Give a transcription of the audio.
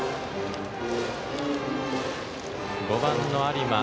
５番の有馬。